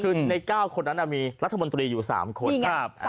คือใน๙คนนั้นมีรัฐมนตรีอยู่๓คน